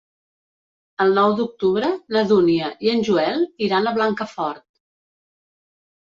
El nou d'octubre na Dúnia i en Joel iran a Blancafort.